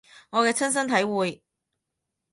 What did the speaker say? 我嘅親身體會